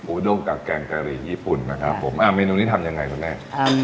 ดงกับแกงกะหรี่ญี่ปุ่นนะครับผมอ่าเมนูนี้ทำยังไงคุณแม่